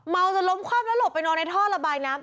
เมาจะล้มความรักลบไปนอนในท่อนระบายน้ำ